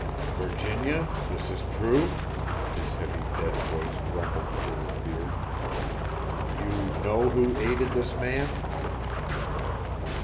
"Virginia, this is true?" his heavy, dead voice rumbled through his beard. "You know who aided this man?"